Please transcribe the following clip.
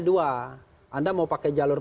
dua anda mau pakai jalur